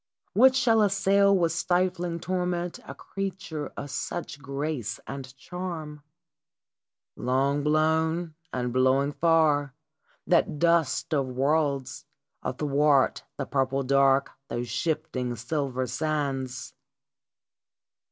What shall assail with stifling torment a creature of such grace and charm ? Long blown and blowing far, that dust of worlds, athwart the purple dark those shifting silver sands